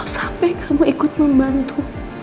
sampai kamu ikut membantu